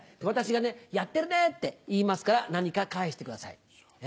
私がやってるねーって言いますから、何か返してください。